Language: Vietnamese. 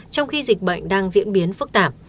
trong khi dịch bệnh đang diễn biến phức tạp